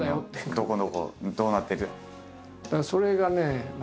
「どこどこどうなってる」。